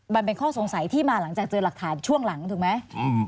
มันเป็นข้อสงสัยที่มาหลังจากเจอหลักฐานช่วงหลังถูกไหม